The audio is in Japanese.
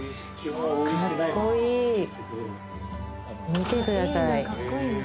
見てください。